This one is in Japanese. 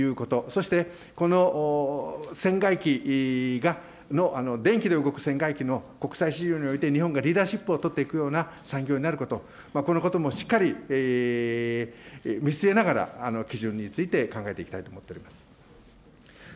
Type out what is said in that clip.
そしてこの船外機の、電気で動く船外機の国際市場において日本がリーダーシップを取っていくような産業になること、このこともしっかり見据えながら、基準について考えていきたいと思っております。